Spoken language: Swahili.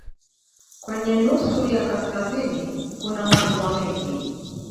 Kwenye nusu ya kaskazini kuna maziwa mengi.